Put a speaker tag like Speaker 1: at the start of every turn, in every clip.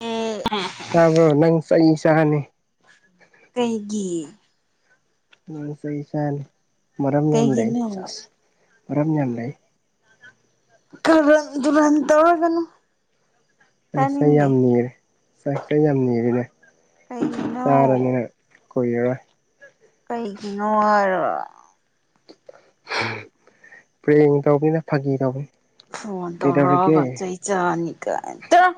Speaker 1: ꯑꯦ
Speaker 2: ꯇꯥꯕꯔ‌ꯣ ꯅꯪ ꯆꯩ ꯆꯥꯅꯤ
Speaker 1: ꯀꯩꯒꯤ
Speaker 2: ꯅꯪ ꯆꯩ ꯆꯥꯅꯤ ꯃꯔꯝ ꯌꯥꯝ ꯂꯩ
Speaker 1: ꯀꯩꯒꯤꯅꯣ
Speaker 2: ꯆꯥꯁ ꯃꯔꯝ ꯌꯥꯝ ꯂꯩ
Speaker 1: ꯀꯔꯟ ꯇꯨꯔꯟ ꯇꯪꯔꯒꯅꯨ
Speaker 2: ꯅꯪ ꯆꯩ ꯌꯥꯝ ꯅꯤꯔꯦ [unintelligible] ꯌꯥꯝ ꯅꯤꯔꯦꯅꯦ
Speaker 1: ꯀꯩꯅꯣ
Speaker 2: ꯆꯥꯔꯅꯤ ꯅꯪ ꯀꯨꯏꯔꯔꯣꯏ
Speaker 1: ꯀꯩꯒꯤꯅꯣ
Speaker 2: ꯄꯔ‌ꯦꯡ ꯇꯧꯕꯅꯤꯗ ꯐꯥꯒꯤ ꯇꯧꯕꯅꯤ
Speaker 1: ꯐꯣꯟ
Speaker 2: ꯀꯩꯗꯧꯔꯤꯒꯦ
Speaker 1: ꯇꯧꯔꯛꯑꯒ ꯆꯩꯩ ꯆꯥꯅꯤ ꯀꯥꯏ ꯆꯠꯂ‌ꯣ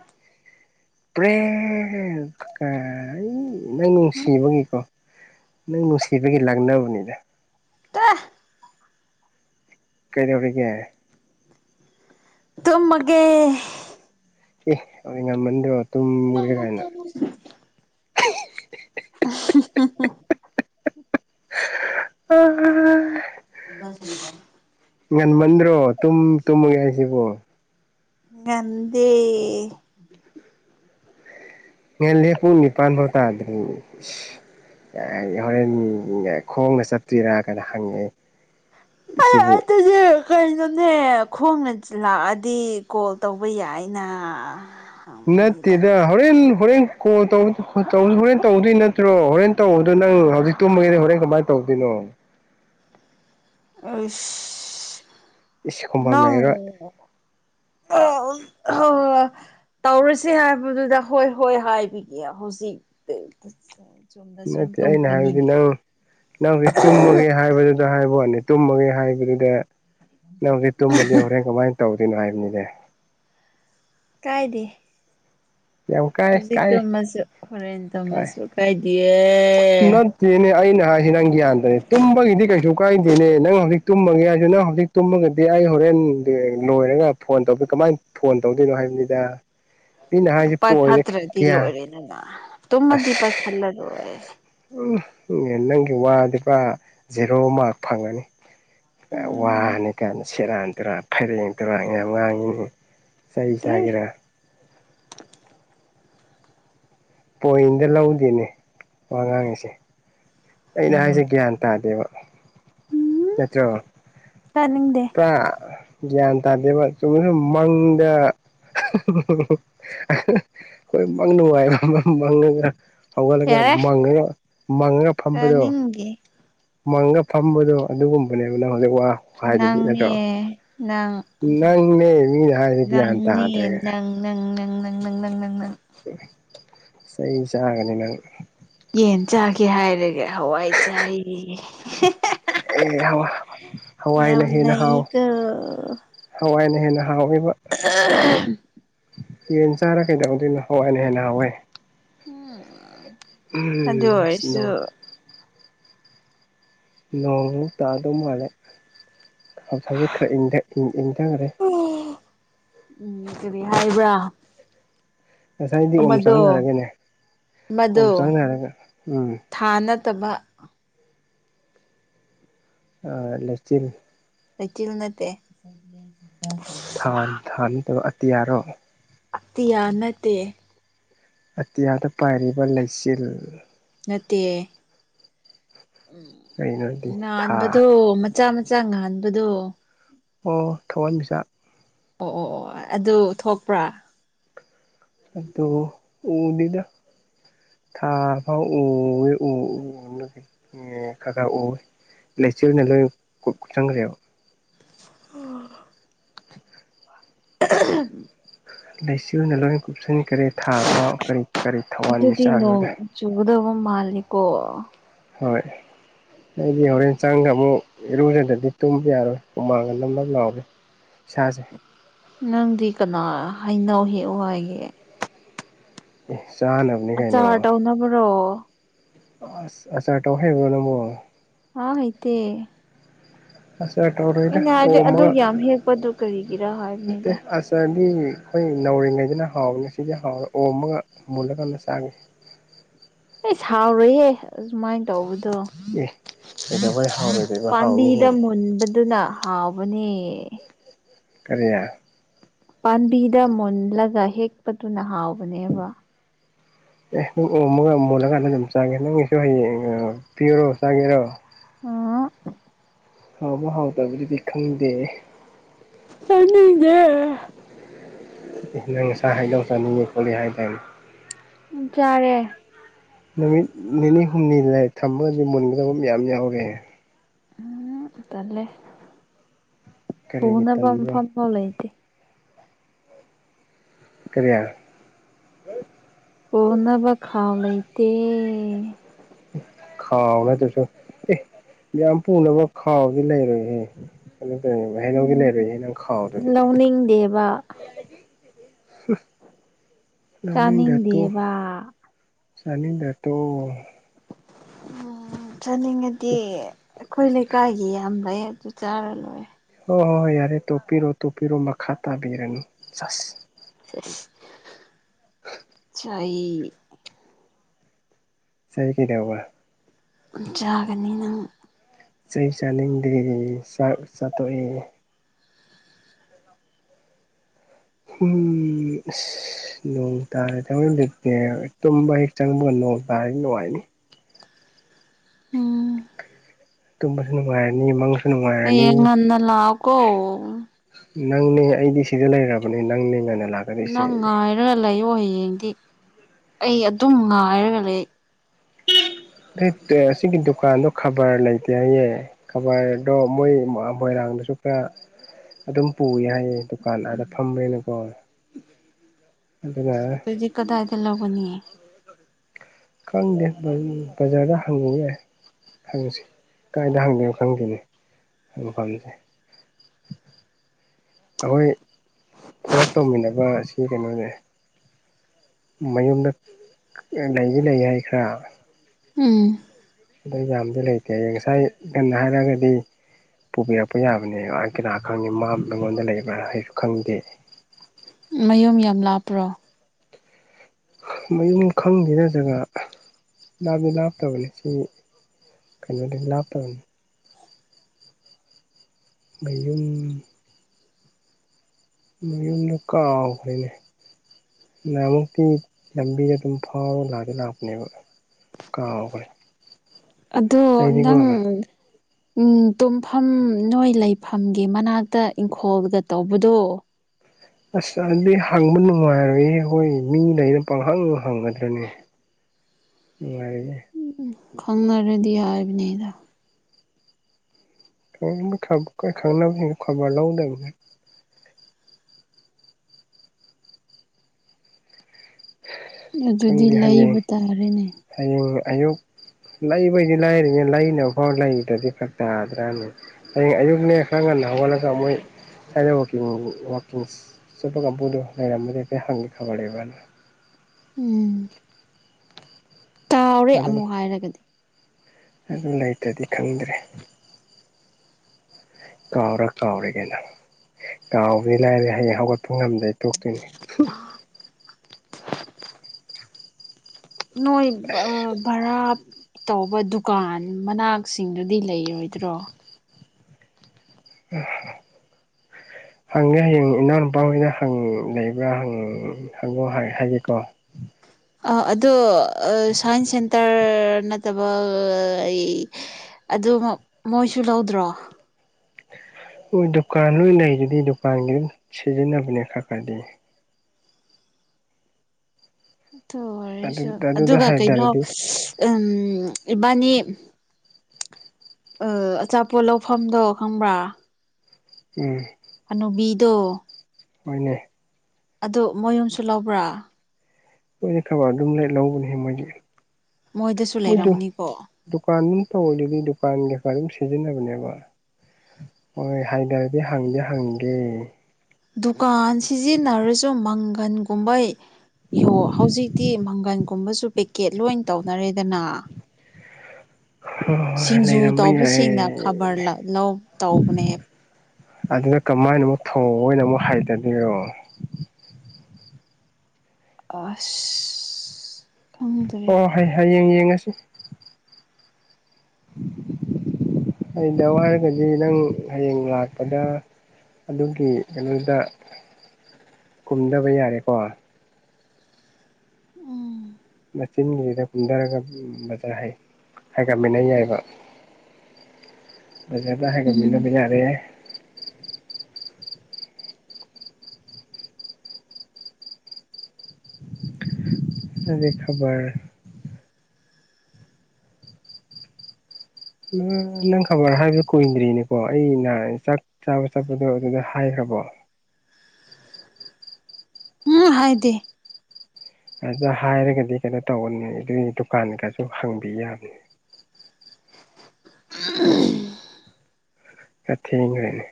Speaker 2: ꯄ꯭ꯔꯦꯡ ꯀꯥꯏ ꯅꯪ
Speaker 1: ꯎꯝ
Speaker 2: ꯅꯨꯡꯁꯤꯕꯒꯤꯀꯣ ꯅꯪ ꯅꯨꯡꯁꯤꯕꯒꯤ ꯂꯥꯛꯅꯕꯅꯤꯗ
Speaker 1: ꯇ [unintelligible]
Speaker 2: ꯀꯩꯩꯗꯧꯔꯤꯒꯦ
Speaker 1: ꯇꯨꯝꯃꯒꯦ
Speaker 2: ꯑꯦ ꯉꯟꯃꯟꯗꯔ‌ꯣ
Speaker 1: ꯇꯨꯝꯃꯨ ꯇꯨꯝꯃꯨ [unintelligible]
Speaker 2: ꯑꯣ ꯍ [unintelligible]
Speaker 1: [unintelligible]
Speaker 2: ꯉꯟꯃꯟꯗꯔꯣ ꯇꯨꯝ ꯇꯨꯝꯃꯒ ꯍꯥꯏꯁꯤꯕꯨ
Speaker 1: ꯉꯟꯗꯦ
Speaker 2: ꯉꯟꯂ‌ꯦꯍ‌ꯦ ꯄꯨꯡ ꯅꯤꯄꯥꯟ ꯕꯥꯩ ꯇꯥꯗ꯭ꯔꯤ ꯍꯣꯔꯦꯟ ꯈꯣꯡꯅ ꯆꯠꯇ꯭ꯣꯏꯔꯥ ꯀꯥꯏꯅ ꯍꯪꯉꯦ
Speaker 1: ꯑ ꯇꯖꯤ ꯀꯩꯅꯅꯦ ꯈꯣꯡꯅ ꯂꯥꯛꯑꯗꯤ ꯀꯣꯜ ꯇꯧꯕ ꯌꯥꯏꯅ ꯍꯪꯕꯅꯤꯗ
Speaker 2: ꯅꯠꯇꯗ ꯍꯣꯔꯦꯟꯦꯟ ꯍꯣꯣꯔꯦꯟ ꯀꯣ ꯍꯣꯔꯦꯟ ꯇꯧꯗꯣꯏ ꯅꯠꯇ꯭ꯔꯣ ꯍꯣꯔꯦꯟ ꯇꯧꯕꯗꯣ ꯅꯪ ꯍꯧꯖꯤꯛ ꯇꯨꯝꯕꯒꯤꯩꯗꯤ ꯍꯣꯔꯦꯟ ꯀꯃꯥꯏꯅ ꯇꯧꯗꯣꯏꯅꯣ ꯍꯣꯡ
Speaker 1: ꯑ
Speaker 2: ꯏꯁ
Speaker 1: ꯅ
Speaker 2: ꯈꯨꯝꯐꯝ ꯂꯩꯔꯣꯏ
Speaker 1: ꯑꯣ ꯍ ꯇꯧꯔꯁꯦ ꯍꯥꯏꯕꯗꯨꯗ ꯍꯣꯏ ꯍꯣꯏ ꯍꯥꯏꯕꯤꯒꯦ ꯍꯧꯖꯤ
Speaker 2: ꯅꯠꯇꯦ ꯑꯩꯅ ꯍꯥꯏꯕꯗꯤ ꯅꯪ ꯅꯪꯒꯤ ꯇꯨꯝꯃꯒꯦ ꯍꯥꯏꯕꯗꯨꯗ ꯍꯥꯏꯕꯅꯤ ꯇꯨꯝꯃꯒꯦ ꯍꯥꯏꯕꯗꯨꯗ ꯅꯪꯒꯤ ꯇꯨꯝꯃꯗꯤ ꯍꯣꯔꯦꯟ ꯀꯃꯥꯏꯅ ꯇꯧꯗꯔꯤꯅꯣ ꯍꯥꯏꯕꯅꯤꯅꯦ
Speaker 1: ꯀꯥꯏꯗ
Speaker 2: ꯌꯥꯝ ꯀꯥꯏ
Speaker 1: ꯍꯧꯖꯤꯛ
Speaker 2: ꯀꯥꯏ
Speaker 1: ꯇꯃꯁ ꯍꯣꯔꯦꯟꯦꯟ ꯇꯃꯁꯨ ꯀꯥꯏꯗ
Speaker 2: ꯅꯅꯤ ꯑ ꯁꯤ ꯅꯪ ꯒ꯭ꯌꯥꯟꯗꯅꯦ ꯇꯨꯝꯕꯒꯤꯗꯤ ꯀꯩꯁꯨ ꯀꯥꯏꯗꯦꯅꯦ ꯅꯪ ꯍꯧꯖꯤꯛ ꯇꯨꯝꯃꯒꯦ ꯍꯥꯏꯔꯁꯨ ꯅꯪ ꯍꯧꯖꯤꯛ ꯇꯨꯝꯃꯒꯗꯤ ꯑꯩ ꯍꯣꯔꯦꯟ ꯍꯦꯟ ꯂꯣꯏꯔꯒ ꯐꯣꯟ ꯇꯧꯕ ꯀꯃꯥꯏꯅ ꯐꯣꯟ ꯇꯧꯗꯣꯏꯅꯣ ꯍꯥꯏꯕꯅꯤꯗ ꯄ ꯅꯍꯁꯤ ꯄꯣꯏꯅ ꯀꯌꯥ
Speaker 1: ꯇꯨꯝꯃ ꯗꯤꯄꯥ ꯈꯜꯂꯔꯦ
Speaker 2: ꯎꯝ ꯎ ꯅꯪꯒꯤ ꯋꯥꯗ꯭ꯔꯤꯕ ꯖꯦꯔꯣ ꯃꯥꯔꯛ ꯐꯪꯉꯅꯤ
Speaker 1: ꯎꯝ
Speaker 2: ꯋꯥꯅꯤ ꯀꯥꯟꯗ ꯁꯦꯠꯔꯥꯟꯗꯣꯏꯔ ꯐꯔꯦꯡꯗꯣꯏꯔꯥ ꯌꯥꯝ ꯉꯥꯡꯉꯤꯅꯤ ꯆꯩ ꯁꯥꯒꯦꯔꯥ ꯄꯣꯏꯟꯗ ꯂꯧꯗꯦꯅꯦ ꯋꯥꯉꯥꯡꯁꯦ ꯑꯩꯅ ꯍꯥꯏꯁꯦ ꯒ꯭ꯌꯥꯟ ꯇꯥꯗꯦꯕ ꯅꯠꯇ꯭ꯔꯣ
Speaker 1: ꯇꯅꯤꯡꯗꯦ
Speaker 2: ꯄꯨꯔꯥ ꯒ꯭ꯌꯥꯟ ꯇꯥꯗꯦꯕ ꯆꯨꯝ ꯁ ꯃꯪꯗ ꯍꯈꯣꯏ ꯃꯪ ꯅꯨꯡꯉꯥꯏꯕ ꯑꯃ ꯃꯪꯉꯒ꯭ꯔ ꯍꯧꯒ ꯂꯩꯒ ꯃꯉ ꯃꯉ
Speaker 1: ꯔꯅꯤꯡꯒꯤ
Speaker 2: ꯃꯪꯒ ꯐꯝꯕꯗꯣ ꯑꯗꯨꯒꯨꯝꯕꯅꯦꯕꯅ ꯍꯧꯖꯤꯛ ꯋꯥ ꯍꯥꯏꯗꯨꯗꯤ
Speaker 1: ꯅꯪꯅꯦ
Speaker 2: ꯅꯠꯇ꯭ꯔꯣ
Speaker 1: ꯅꯪ
Speaker 2: ꯅꯪꯅꯦ ꯃꯤꯅ ꯍꯥꯏꯔꯤꯁꯦ ꯒ꯭ꯌꯥꯟ
Speaker 1: ꯅꯪꯅꯦ
Speaker 2: ꯇꯥꯗ꯭ꯔꯦ
Speaker 1: ꯅꯪ ꯅꯪ ꯅꯪ ꯅꯪ ꯅꯪ ꯅꯪ ꯅꯪ ꯅꯪ
Speaker 2: ꯏꯁꯩ ꯆꯥꯒꯅꯤ ꯅꯪ
Speaker 1: ꯌꯦꯟ ꯆꯥꯒꯦ ꯍꯥꯏꯔꯒ ꯍꯋꯥꯏ ꯆꯥꯏ
Speaker 2: ꯑꯦ
Speaker 1: ꯌꯥꯝ
Speaker 2: ꯍꯋꯥꯏꯅ
Speaker 1: ꯅ
Speaker 2: ꯍꯦꯟꯅ ꯍꯥꯎ
Speaker 1: ꯀ
Speaker 2: ꯍꯋꯥꯏꯅ ꯍꯦꯟꯅ ꯍꯥꯎꯋꯦꯕ
Speaker 1: ꯑ
Speaker 2: ꯌꯦꯟ ꯆꯥꯔ ꯀꯩꯗꯧꯗꯣꯏꯅꯣ ꯍꯋꯥꯏꯅ ꯍꯦꯟꯅ ꯍꯥꯎꯋꯦ
Speaker 1: ꯎꯝ ꯑꯗꯨ ꯑꯩꯁꯨ
Speaker 2: ꯅꯣꯡ ꯅꯣꯡꯃ ꯇꯥ ꯑꯗꯨ ꯃꯦ ꯞ ꯁꯕꯤ ꯏꯗꯥꯡꯔ
Speaker 1: ꯎꯝ ꯀꯔꯤ ꯍꯥꯏꯕ꯭ꯔꯥ
Speaker 2: ꯉꯁꯥꯏꯗꯤ ꯑꯣꯝ
Speaker 1: ꯃꯗꯨꯣ
Speaker 2: ꯆꯥꯡꯅꯔꯒꯅꯦ ꯑꯣꯝ
Speaker 1: ꯃꯗꯨꯣ
Speaker 2: ꯆꯥꯡꯅꯔꯒ ꯎꯝ
Speaker 1: ꯊꯥꯅ ꯇꯕꯥꯛ
Speaker 2: ꯂꯦꯆꯤꯟ
Speaker 1: ꯀꯆꯤꯅꯠꯇꯦ
Speaker 2: ꯊꯥꯟ ꯊꯥꯟ ꯇꯕ ꯑꯇꯤꯌꯥꯔꯣ
Speaker 1: ꯑꯌꯥ ꯅꯠꯇꯦ
Speaker 2: ꯑꯇꯤꯌꯥꯗ ꯄꯥꯏꯔꯤꯕ ꯂꯩꯆꯤꯜ
Speaker 1: ꯅꯠꯇ ꯎꯝ
Speaker 2: ꯀꯩꯅꯣꯗꯤ ꯊꯥ
Speaker 1: ꯉꯥꯟꯕꯗꯣ ꯃꯆꯥ ꯃꯆꯥ ꯉꯥꯟꯕꯗꯣ
Speaker 2: ꯑꯣ ꯊꯧꯋꯥ ꯃꯁꯥ
Speaker 1: ꯑꯣ ꯑꯣ ꯑꯣ ꯑꯗꯨ ꯊꯣꯛꯄ꯭ꯔꯥ
Speaker 2: ꯑꯗꯨꯣ ꯎꯗꯅ ꯊꯥ ꯐꯥꯎ ꯎꯋ ꯎ ꯎ ꯈꯈꯥ ꯎ ꯂꯩꯦꯆꯦꯜ ꯅꯂꯣꯏ ꯀꯊꯥꯡꯔ
Speaker 1: ꯑꯣ
Speaker 2: [inaudible]
Speaker 1: [inaudible]
Speaker 2: ꯂꯩꯆꯤꯅ ꯂꯣꯏ ꯀꯨꯞꯁꯤꯟ ꯀꯔꯤ ꯊꯥꯕ ꯀꯔꯤ ꯀꯔꯤ ꯊꯋꯥꯟ ꯃꯤ ꯆꯥꯡꯕꯒꯦ
Speaker 1: ꯃꯥꯛꯣ
Speaker 2: ꯍꯣꯏ ꯑꯩꯗꯤ ꯍꯣꯔꯦꯟ ꯆꯥꯡꯗ ꯑꯃꯨꯛ ꯏꯔꯨꯖꯗꯗꯤ ꯇꯨꯝꯕ ꯌꯥꯔꯣꯏ ꯎꯃꯥꯡꯒ ꯅꯝ ꯂ ꯂꯥꯎꯔꯦ ꯏꯁꯥꯁꯦ
Speaker 1: ꯅꯪꯗꯤ ꯀꯅꯥ ꯍꯥꯏꯅꯧꯍꯦꯛ ꯍꯥꯏꯏꯍꯦ
Speaker 2: ꯑꯦ ꯆꯥꯅꯕꯅꯤ
Speaker 1: ꯑꯆꯥꯔ ꯇꯧꯅꯕ꯭ꯔꯣ
Speaker 2: ꯑ ꯑ ꯇꯧ ꯍꯩꯕ꯭ꯔꯣ ꯅꯪꯕꯨꯣ
Speaker 1: ꯑꯥ ꯉꯥꯏꯇ
Speaker 2: ꯑꯁꯧꯔꯔ ꯑꯣꯃ
Speaker 1: ꯑꯗꯨ ꯌꯥꯝ ꯍꯦꯛꯄꯗꯨ ꯀꯔꯤꯒꯤꯔꯥ ꯍꯥꯏꯕꯅꯤꯗ
Speaker 2: ꯑꯁꯥꯏ ꯁꯤ ꯑꯩꯈꯣꯏ ꯅꯧꯔꯤꯉꯩꯗꯅ ꯍꯥꯎꯋꯅꯦ ꯁꯤꯁ ꯍꯥꯎꯔꯦ ꯑꯣꯝꯃꯒ ꯃꯨꯜꯂꯒ ꯑꯃ ꯆꯥꯉ [inaudible]
Speaker 1: ꯑꯩ ꯁꯥꯎꯔꯨꯍꯦ ꯑꯗꯨꯃꯥꯏꯅ ꯇꯧꯕꯗꯣ
Speaker 2: ꯁꯤꯇꯄ
Speaker 1: ꯄꯥꯝꯕꯤꯗ ꯃꯨꯟꯕꯗꯨꯅ ꯍꯥꯎꯕꯅꯦ
Speaker 2: ꯀꯌꯥ
Speaker 1: ꯄꯥꯝꯕꯤꯗ ꯃꯨꯜꯂꯒ ꯍꯦꯛꯄꯗꯨꯅ ꯍꯥꯎꯕꯅꯦꯕ
Speaker 2: ꯑꯦ ꯎꯃꯒ ꯃꯨꯜꯂꯀꯥꯟꯗ ꯑꯗꯨꯝ ꯆꯥꯒꯦ ꯅꯪꯒꯤꯁꯨ ꯍꯌꯦꯡ ꯄꯤꯨꯔꯣ ꯆꯥꯒꯦꯔꯣ
Speaker 1: ꯑꯥ
Speaker 2: ꯍꯥꯎꯕ ꯍꯥꯎ ꯇꯕꯤꯗꯤꯗꯤꯈꯟꯗꯦ
Speaker 1: ꯆꯅꯤꯒꯦ
Speaker 2: ꯅꯪ ꯁ ꯍꯩꯗꯣꯁꯅꯤꯡ ꯀꯣ ꯍꯥꯏ ꯇꯝ
Speaker 1: ꯎ ꯆꯔꯦ
Speaker 2: ꯅꯨꯃꯤꯠ ꯅꯤꯅꯤ ꯍꯨꯝꯅꯤ ꯂꯥꯏꯛ ꯊꯝꯃꯒꯗꯤ ꯃꯨꯟꯒꯗꯕ ꯃꯌꯥꯝ ꯌꯥꯎꯔꯦ
Speaker 1: ꯎꯝ ꯇꯂꯦ
Speaker 2: ꯀꯔꯤꯒꯤ
Speaker 1: ꯄꯨꯍꯅ ꯐꯝ
Speaker 2: ꯇꯟꯕ꯭ꯔꯣ
Speaker 1: ꯐꯝ ꯂꯩ ꯏꯗꯤ
Speaker 2: ꯀꯔꯤ
Speaker 1: ꯄꯣꯅꯥꯕ ꯈꯥꯎ ꯂꯩꯇ
Speaker 2: ꯈꯥꯎ ꯇꯔꯥꯁꯨ ꯃ ꯄꯨꯅꯕ ꯈꯥꯎꯕꯗꯤ ꯂꯩꯔꯣꯏꯍꯦ ꯑꯗꯨ ꯀꯅꯦꯕ ꯍꯩꯅꯧꯗꯤ
Speaker 1: ꯎꯝ
Speaker 2: ꯂꯩꯔꯛꯏ ꯍꯩꯅꯪ ꯈꯥꯎꯗꯗꯤ ꯍ
Speaker 1: ꯂꯧꯅꯤꯡꯗꯦꯕ
Speaker 2: [unintelligible] ꯅꯅꯤꯗꯦꯠꯇꯣ
Speaker 1: ꯆꯥꯅꯤꯡꯗꯦꯕ
Speaker 2: ꯁꯅꯤꯗꯦꯠꯇꯣ
Speaker 1: ꯎꯝ ꯆꯠꯅꯤꯡꯉꯗꯤ ꯑꯩꯈꯣꯏ ꯂꯩꯀꯥꯏꯒꯤ ꯌꯥꯝ ꯂꯩ ꯑꯗꯨ ꯆꯥꯔ ꯂꯣꯏꯔꯦ
Speaker 2: ꯍꯣꯏ ꯍꯣꯏ ꯍꯣꯏ ꯌꯥꯔꯦ ꯇꯣꯛꯄꯤꯔꯣ ꯇꯣꯛꯄꯤꯔꯣ ꯃꯈꯥ ꯇꯥꯕꯤꯔꯅꯨ ꯆꯁ
Speaker 1: ꯁ [unintelligible]
Speaker 2: ꯑꯩ ꯀꯩꯗꯧꯕ
Speaker 1: ꯆꯥꯒꯅꯤ ꯅꯪ
Speaker 2: ꯆꯍꯤ ꯆꯅꯤꯡꯗꯤ ꯆꯠꯇꯣꯛꯏ ꯎꯝꯣꯡ ꯇꯔ ꯆꯥꯡꯣ ꯇꯨꯝꯕꯥ ꯍꯦꯛ ꯆꯪꯕꯒꯥ ꯅꯣꯡ ꯇꯥꯔ ꯅꯨꯡꯉꯥꯏꯅꯤ
Speaker 1: ꯎꯝ
Speaker 2: ꯇꯨꯝꯕꯁꯨ ꯅꯨꯡꯉꯥꯏꯔꯅꯤ ꯃꯪ
Speaker 1: ꯌꯦꯡ ꯉꯅ ꯂꯥꯛꯀꯣ
Speaker 2: ꯅꯪꯅꯦ ꯑꯩꯗꯤ ꯁꯤꯗ ꯂꯩꯔꯕꯅꯦ ꯅꯪꯅꯦ ꯂꯩ
Speaker 1: ꯅꯪ ꯉꯥꯏꯔꯒ ꯂꯩꯑꯣ ꯍꯌꯦꯡꯗꯤ ꯑꯩ ꯑꯗꯨꯝ ꯉꯥꯏꯔꯒ ꯂꯩ
Speaker 2: ꯑ ꯑꯁꯤꯒꯤ ꯗꯨꯀꯥꯟꯗꯣ ꯈꯕꯔ ꯂꯩꯇꯦ ꯍꯥꯏꯌꯦ ꯈꯕꯔꯗꯣ ꯃꯣꯏ ꯃꯣꯏꯔꯥꯡ ꯑꯗ ꯆꯄꯌꯥ [unintelligible] ꯑꯗꯨꯝ ꯄꯨꯏ ꯍꯥꯏꯌꯦ ꯗꯨꯀꯥꯟ ꯑꯥꯗ ꯐꯝꯃꯦꯅꯀꯣ
Speaker 1: ꯇꯖꯤ ꯀꯗꯥꯏꯗ ꯂꯧꯒꯅꯤ
Speaker 2: ꯀꯪꯗꯦ ꯕꯖꯥꯔꯗ ꯍꯪꯅꯤꯡ ꯌꯥꯏ ꯍꯪꯁꯤ ꯀꯥꯏꯗ ꯍꯪꯒꯦꯅꯣ ꯈꯪꯗꯦꯅꯦ ꯍꯪꯕ ꯄꯥꯝꯁꯦ [inaudible] ꯑꯩꯈꯣꯏ ꯊꯕꯛ ꯇꯧꯃꯤꯟꯅꯕ ꯁꯤꯒꯤ ꯀꯩꯅꯣꯖꯦ ꯃꯌꯨꯝꯗ ꯂꯩꯒꯤ ꯂꯩ ꯍꯥꯏ ꯈꯔ
Speaker 1: ꯎꯝ
Speaker 2: ꯑꯗꯨ ꯌꯥꯝꯗꯤ ꯂꯩꯇꯦ ꯍꯌꯦꯡ ꯉꯁꯥꯏ ꯉꯟꯅ ꯍꯥꯏꯔꯒꯗꯤ ꯄꯨꯕꯤꯔꯛꯄ ꯌꯥꯕꯅꯦꯕ ꯑꯩ ꯀꯅꯥ ꯈꯪꯉꯤ ꯃꯥ ꯑꯩꯉꯣꯟꯗ ꯂꯩꯕ꯭ꯔꯥ ꯀꯁꯨ ꯈꯪꯗꯦ
Speaker 1: ꯃꯌꯨꯝ ꯌꯥꯝ ꯂꯥꯞꯄ꯭ꯔꯣ
Speaker 2: ꯃꯌꯨꯝ ꯈꯪꯗꯦꯗ ꯖꯒ ꯥꯂꯥꯞꯇꯤ ꯂꯥꯞꯇꯕꯅꯤ ꯁꯤ ꯀꯩꯅꯣꯗꯤ ꯂꯞꯇꯕꯅꯤ ꯃꯌꯨꯝ ꯃꯌꯨꯝꯗꯨ ꯀꯎꯒ꯭ꯔꯦꯅꯦ ꯅꯍꯥꯟꯃꯨꯛꯇꯤ ꯂꯝꯕꯤꯗ ꯑꯗꯨꯝ ꯐꯥꯎ ꯂꯥꯛꯑꯒ ꯂꯥꯛꯄꯅꯦꯕ ꯀꯥꯎꯒꯔꯦ
Speaker 1: ꯑꯗꯣ ꯅꯪ ꯎꯝ ꯇꯨꯝꯐꯝ ꯅꯣꯏ ꯂꯩꯐꯝꯒꯤ ꯃꯅꯥꯛꯇ ꯏꯪꯈꯣꯜꯒ ꯇꯧꯕꯗꯣ
Speaker 2: ꯑꯁ ꯑꯗꯨꯗꯤ ꯍꯪꯕ ꯅꯨꯡꯉꯥꯏꯔꯣꯏ ꯑꯩꯈꯣꯏ ꯃꯤ ꯂꯩꯅ ꯄꯥꯡꯍꯪ ꯍꯪꯒꯗ꯭ꯔꯅꯦ ꯃꯥꯅꯨꯡ
Speaker 1: ꯈꯪꯅꯔꯗꯤ ꯍꯥꯏꯕꯅꯦꯗ
Speaker 2: ꯀꯥꯏ ꯈꯪꯅ ꯈꯕꯔ ꯂꯧꯗꯕꯅꯤꯗ
Speaker 1: ꯑꯗꯨꯗꯤ
Speaker 2: ꯈꯪꯗꯦ ꯍꯌꯦꯡ
Speaker 1: ꯂꯩꯕ ꯇꯥꯔꯦꯅꯦ
Speaker 2: ꯍꯌꯦꯡ ꯑꯌꯨꯛ ꯂꯩꯕꯩꯗꯤ ꯂꯥꯏꯔꯤꯉ ꯂꯩꯅꯕ ꯐꯥꯎ ꯂꯩꯗ꯭ꯔꯗꯤ ꯈꯔ ꯇꯥꯗ꯭ꯔꯅꯤ ꯍꯌꯦꯡ ꯑꯌꯨꯛꯅꯦꯛ ꯈꯒ ꯅ ꯍꯧꯒꯠꯂꯒ ꯃꯣꯢ ꯁ꯭ꯏꯗ ꯋꯥꯀꯤꯡ ꯋꯥꯛꯀꯤꯡ ꯆꯠꯄ ꯀꯥꯡꯕꯨꯨꯗꯣ ꯂꯩꯔꯝꯕꯗꯤ ꯑꯩꯐꯩ ꯍꯪꯒꯦ ꯈꯕꯔ ꯂꯩꯕ꯭ꯔꯅ
Speaker 1: ꯎꯝ ꯀꯥꯎꯔꯦ
Speaker 2: ꯑꯗꯨꯝ
Speaker 1: ꯑꯃꯨꯛ ꯍꯥꯏꯔꯒꯗꯤ
Speaker 2: ꯑꯗꯨ ꯂꯩꯇꯗꯤ ꯈꯪꯗ꯭ꯔꯦ ꯀꯥꯎꯔ ꯀꯥꯎꯔꯦ ꯀꯩꯅꯣ ꯀꯥꯎꯗꯤ ꯂꯥꯏꯔꯦ ꯍꯌꯦꯡ ꯍꯧꯒꯠꯄ ꯉꯝꯗꯦ ꯇꯣꯛꯇꯣꯢꯅꯦ
Speaker 1: ꯅꯣꯏ ꯚꯔꯥ ꯇꯧꯕ ꯗꯨꯀꯥꯟ ꯃꯅꯥꯛꯁꯤꯡꯗꯨꯗꯤ ꯂꯩꯔꯣꯏꯗ꯭ꯔꯣ
Speaker 2: ꯎꯝ ꯍꯪꯒꯦ ꯍꯌꯦꯡ ꯏꯅꯥꯎ ꯅꯨꯨꯄꯥꯅꯪ ꯂꯩꯕ꯭ꯔꯥꯪꯉ ꯍꯪꯉꯣ ꯍꯥꯏꯒꯦꯀꯣ
Speaker 1: ꯑ ꯑꯗꯣ ꯁꯥꯏꯟꯁ ꯁꯦꯟꯇꯔ ꯅꯠꯇꯕ ꯑꯩ ꯑꯗꯨ ꯃꯣꯏꯁꯨ ꯂꯧꯗ꯭ꯔꯣ
Speaker 2: ꯍꯣꯏ ꯗꯨꯀꯥꯟ ꯂꯣꯏ ꯂꯩꯗꯨꯗꯤ ꯗꯨꯀꯥꯟꯒꯤ ꯑꯗꯨꯝ ꯁꯤꯖꯤꯟꯅꯕꯅꯦ ꯈꯔ ꯈꯔꯗꯤ ꯑꯗꯨ
Speaker 1: ꯊꯣꯏꯔꯁꯨ
Speaker 2: ꯑꯗꯨꯗ
Speaker 1: ꯑꯗꯨꯒ ꯀꯩꯅꯣ
Speaker 2: ꯍꯥꯏꯇꯥꯔꯗꯤ
Speaker 1: ꯎꯝ ꯏꯕꯥꯅꯤ ꯑ ꯑꯆꯥꯄꯣꯠ ꯂꯧꯐꯝꯗꯣ ꯈꯪꯕ꯭ꯔꯥ
Speaker 2: ꯎꯝ
Speaker 1: ꯍꯅꯨꯕꯤꯗꯣ
Speaker 2: ꯍꯣꯏꯅꯦ
Speaker 1: ꯑꯗꯨ ꯃꯣꯏꯁꯨ ꯂꯧꯕ꯭ꯔꯥ
Speaker 2: ꯃꯣꯏꯅ ꯈꯕꯔ ꯑꯗꯨꯝ ꯂꯩ ꯂꯧꯕꯅꯦ ꯃꯣꯏꯒꯤ
Speaker 1: ꯃꯣꯏꯗꯁꯨ
Speaker 2: ꯃꯣꯏꯗꯨ
Speaker 1: ꯂꯩꯔꯝꯒꯅꯤꯀꯣ
Speaker 2: ꯗꯨꯀꯥꯟ ꯇꯧ ꯑꯣꯏꯗꯗꯤ ꯗꯨꯀꯥꯟ ꯌꯀꯥ ꯑꯌꯨꯝ ꯁꯤꯖꯤꯟꯅꯕꯅꯦꯕ ꯍꯣꯏ ꯍꯥꯏꯅꯔꯗꯤ ꯍꯪꯗꯤ ꯍꯪꯒꯦ
Speaker 1: ꯗꯨꯀꯥꯟ ꯁꯤꯖꯤꯟꯅꯔꯁꯨ ꯃꯪꯒꯟꯒꯨꯝꯕꯩ ꯌꯣ ꯍꯧꯖꯤꯛꯇꯤ ꯃꯪꯒꯟꯒꯨꯝꯕꯁꯨ ꯄꯦꯛꯀꯦꯠ ꯂꯣꯏ ꯇꯧꯅꯔꯦꯗꯅ
Speaker 2: ꯍꯣꯏ ꯍꯣꯏ
Speaker 1: ꯁꯤꯡꯖꯨ
Speaker 2: ꯂꯩꯔꯝꯕ
Speaker 1: ꯇꯧꯕꯁꯤꯡꯅ
Speaker 2: ꯌꯥꯏ
Speaker 1: ꯈꯕꯔ ꯂꯛꯅꯧ ꯇꯧꯕꯅꯦꯕ
Speaker 2: ꯑꯗꯨꯅ ꯀꯃꯥꯏꯅ ꯑꯃꯨꯛ ꯊꯧꯑꯣꯏꯅ ꯃꯨꯛ ꯍꯥꯏꯗꯜꯂꯤꯔꯣ
Speaker 1: ꯑꯁ ꯈꯪꯗ꯭ꯔꯦ
Speaker 2: ꯑꯣ ꯍꯩ ꯍꯌꯦꯡ ꯌꯦꯡꯉꯁꯤ ꯑꯩꯩꯅ ꯋꯥꯔꯒꯗꯤ ꯅꯪ ꯍꯌꯦꯡ ꯂꯥꯛꯄꯗ ꯑꯗꯨꯒꯤ ꯀꯩꯅꯣꯗ ꯀꯨꯝꯗꯕ ꯌꯥꯔꯦꯀꯣ
Speaker 1: ꯎꯝ
Speaker 2: ꯃꯆꯤꯟꯖꯤꯗ ꯒꯨꯝꯗꯔꯒ ꯕꯖꯔ ꯍꯥꯏ ꯍꯥꯏ ꯒꯞꯃꯤꯟꯅꯩ ꯌꯥꯏꯕ ꯕꯖꯔꯗ
Speaker 1: ꯎꯝ
Speaker 2: ꯍꯥꯏꯒꯃꯤꯅꯕ ꯌꯥꯔꯦ ꯑꯗꯤ ꯈꯕꯔ ꯅꯪ ꯈꯕꯔ ꯍꯥꯏꯕꯗꯨ ꯀꯨꯏꯗ꯭ꯔꯤꯅꯦꯀꯣ ꯑꯩ ꯅꯍꯥꯟ ꯆꯥꯛ ꯆꯥꯕ ꯆꯠꯄꯗꯣ ꯑꯗꯨꯗ ꯍꯥꯏꯈ꯭ꯔꯕ ꯕꯣ
Speaker 1: ꯎꯝ ꯍꯥꯏꯗꯦ
Speaker 2: ꯑꯗ ꯍꯥꯏꯔꯒꯗꯤ ꯀꯅꯣ ꯇꯧꯑꯟꯅꯤ ꯑꯗꯨꯏꯅꯦ ꯗꯨꯀꯥꯟ ꯀꯁꯨ ꯍꯪꯕꯤ ꯌꯥꯗꯦ ꯑ ꯊꯦꯡ ꯂꯩꯅꯦ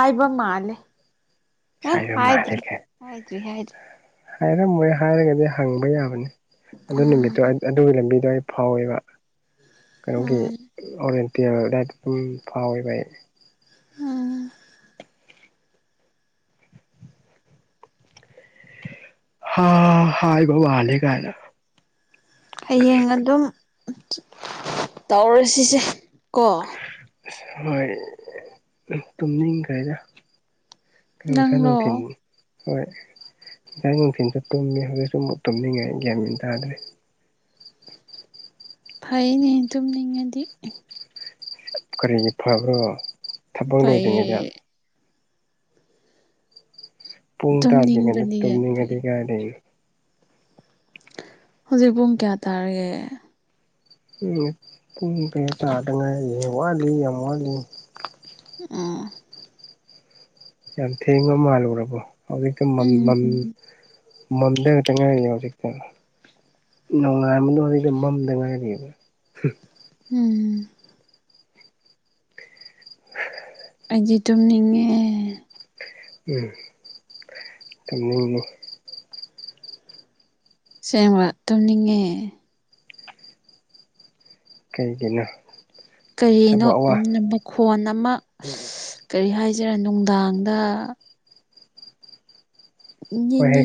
Speaker 1: ꯄꯥꯏꯕ ꯃꯥꯂꯦ
Speaker 2: ꯁꯌꯥꯝ ꯃꯥꯂꯦ ꯀꯥꯏ
Speaker 1: ꯍꯥꯏꯗ꯭ꯔꯤ
Speaker 2: ꯍꯥꯏꯔꯃꯣꯏꯌ ꯍꯥꯏꯔꯒꯗꯤ ꯍꯪꯕ ꯌꯥꯕꯅꯤ ꯑꯗꯨ ꯅꯨꯃꯤꯠꯇꯣ
Speaker 1: ꯎꯝ
Speaker 2: ꯑꯠ ꯑꯗꯨꯒꯤ ꯂꯝꯕꯤꯗꯣ ꯑꯩ ꯐꯥꯎꯋꯦꯕ ꯀꯩꯅꯣꯒꯤ
Speaker 1: ꯎꯝ
Speaker 2: ꯑꯣꯔꯦꯟꯇꯤꯌꯥꯔ ꯑꯗꯨꯗꯥꯏꯗ ꯄꯨꯡ ꯐꯥꯎꯋꯦꯕ ꯑꯩ
Speaker 1: ꯎꯝ
Speaker 2: ꯍꯥꯥ ꯍꯥꯏꯕ ꯃꯂꯦ ꯀꯥꯏꯅ
Speaker 1: ꯍꯌꯦꯡ ꯑꯗꯨꯝ ꯇꯧꯔꯁꯤꯁꯦ ꯀꯣ
Speaker 2: ꯑꯁ ꯍꯣꯏ ꯇꯨꯝꯅꯤꯡꯈꯔꯦꯗ ꯀꯩꯌꯣ ꯉꯁꯥꯏ
Speaker 1: ꯅꯪꯂꯣ
Speaker 2: ꯅꯨꯡꯊꯤꯟ ꯍꯣꯏ ꯏꯖꯥꯡ ꯅꯨꯡꯊꯤꯟꯁꯨ ꯇꯨꯝꯃꯦ ꯍꯧꯖꯤꯛꯁꯨ ꯑꯃꯨꯛ ꯇꯨꯝꯅꯤꯡꯉꯦ ꯒ꯭ꯌꯥꯟ ꯌꯦꯟ ꯇꯥꯗ꯭ꯔꯦ
Speaker 1: ꯐꯩꯅꯦ ꯇꯨꯝꯅꯤꯡꯉꯗꯤ
Speaker 2: ꯀꯔꯤꯒꯤ ꯐꯕ꯭ꯔꯣ ꯊꯕꯛ
Speaker 1: ꯐꯩꯌꯦ
Speaker 2: ꯂꯣꯏꯗ꯭ꯔꯤꯉꯩꯗ ꯄꯨꯡ ꯇꯥꯗꯔꯤꯉꯩꯗ
Speaker 1: ꯇꯨꯝꯅꯤꯡꯕꯗꯤ ꯌꯥꯝ ꯐꯩ
Speaker 2: ꯇꯨꯝꯅꯤꯡꯉꯗꯤ ꯀꯥꯏꯗꯩ
Speaker 1: ꯍꯧꯖꯤꯛ ꯄꯨꯡ ꯀꯌꯥ ꯇꯥꯔꯒꯦ
Speaker 2: ꯎꯝ ꯄꯨꯡ ꯀꯌꯥ ꯇꯥꯗ ꯉꯥꯏꯔꯤꯌ ꯋꯥꯠꯂꯤ ꯌꯥꯝ ꯋꯥꯠꯂꯤ
Speaker 1: ꯎꯝ
Speaker 2: ꯌꯥꯝ ꯊꯦꯡꯕ ꯃꯥꯜꯂꯨꯔꯕꯣ ꯍꯧꯖꯤꯛꯇ ꯃꯝꯃꯤ ꯃꯝ
Speaker 1: ꯎꯝ
Speaker 2: ꯃꯝꯗꯔꯛꯇ ꯉꯥꯏꯔꯤꯌꯦ ꯍꯧꯖꯤꯡꯀ ꯅꯣꯡꯉꯥꯏꯃꯡꯗꯣ ꯑꯩꯅ ꯃꯝꯗ ꯉꯥꯏꯔꯤꯑꯦꯕ
Speaker 1: ꯍꯝ ꯑꯩꯖꯦ ꯇꯨꯝꯅꯤꯉꯦ
Speaker 2: ꯎꯝ ꯇꯨꯝꯅꯤꯡꯅꯤ
Speaker 1: ꯁꯦꯡꯕ ꯇꯨꯝꯅꯤꯡꯉꯦ
Speaker 2: ꯀꯩꯒꯤꯅꯣ
Speaker 1: ꯀꯔꯤꯅꯣ
Speaker 2: ꯊꯕꯛ ꯑꯋꯥ
Speaker 1: ꯑꯝ ꯃꯈꯣꯟ ꯑꯃ ꯀꯔꯤ ꯍꯥꯏꯖꯤꯔꯦ ꯅꯨꯡꯗꯥꯡꯗ
Speaker 2: ꯍꯣꯏ
Speaker 1: ꯌꯦꯟ
Speaker 2: ꯍꯌꯦꯡ
Speaker 1: ꯌꯦ